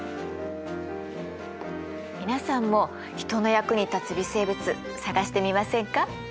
皆さんも人の役に立つ微生物探してみませんか？